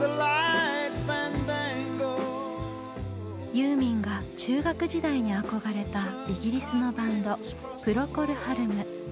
ユーミンが中学時代に憧れたイギリスのバンド「プロコル・ハルム」。